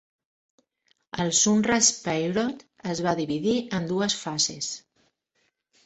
El "Sunrise Period" es va dividir en dues fases.